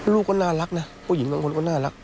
ลูกก็น่ารักนะผู้หญิงบางคนก็น่ารัก